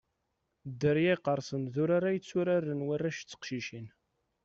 Dderya Iqersen d urar ay tturaren warrac d teqcicin.